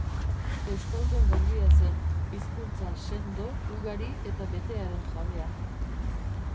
Euskaldun garbia zen, hizkuntza sendo, ugari eta betearen jabea.